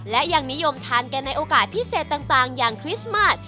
และยังนิยมทานกันในโอกาสพิเศษต่างอย่างคริสต์มาส